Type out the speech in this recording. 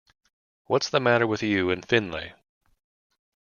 What's the matter with you and Finlay?